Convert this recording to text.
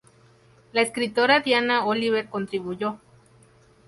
La escritora Deanna Oliver contribuyó.